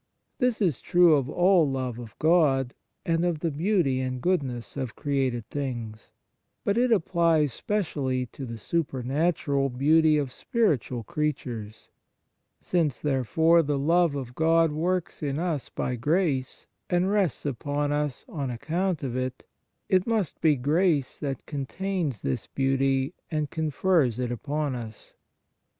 This is true of all love of God, and of the beauty and goodness of created things; but it applies specially to the supernatural beauty of spiritual creatures. Since, therefore, the love of God works in us by grace, and rests upon us on account of it, it must be grace that contains this beauty, and confers it upon us.